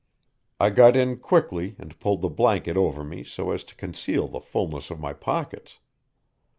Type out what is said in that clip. I got in quickly and pulled the blanket over me so as to conceal the fullness of my pockets.